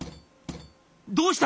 「どうした？